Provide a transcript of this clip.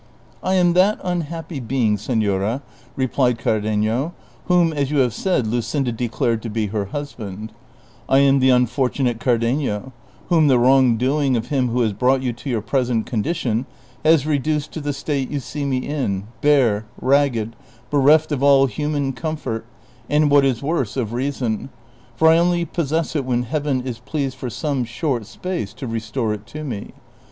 <' I am that unhappy being, senora,'' replied Cardenio, "whom, as you have said, Luscinda declared to be her hnsband ; I am the unfortunate Cardenio, whom the wrong doing of him Avho has brought you to your present condition has reduced to the state you see me in, bare, ragged, bereft of all human c;omfort, and what is worse, of reason, for I only possess it when Heaven is pleased for some short space to restore it to me.